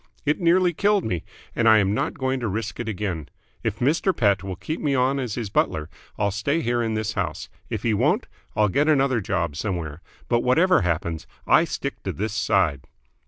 It nearly killed me, and I'm not going to risk it again. If Mr. Pett will keep me on as his butler, I'll stay here in this house. If he won't, I'll get another job somewhere. But, whatever happens, I stick to this side!"